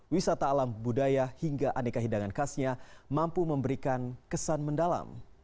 wisata alam budaya hingga aneka hidangan khasnya mampu memberikan kesan mendalam